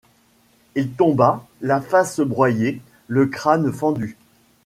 Il tomba, la face broyée, le crâne fendu.